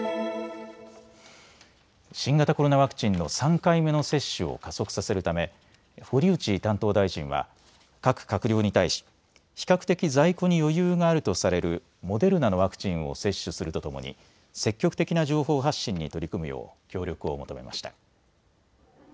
新型コロナワクチンの３回目の接種を加速させるため堀内担当大臣は各閣僚に対し比較的在庫に余裕があるとされるモデルナのワクチンを接種するとともに積極的な情報発信に取り組むよう協力を求めました。